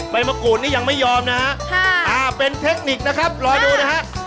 มะกรูดนี่ยังไม่ยอมนะฮะเป็นเทคนิคนะครับรอดูนะฮะ